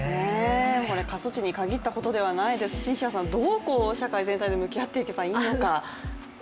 過疎地に限ったことではないですしどう社会全体で向き合っていけばいいのか。